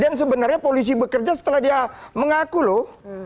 dan sebenarnya polisi bekerja setelah dia mengaku loh